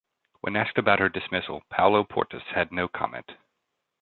When asked about her dismissal, Paulo Portas had no comment.